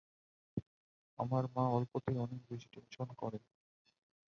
আমার মা অল্পতেই অনেক বেশি টেনশন করে।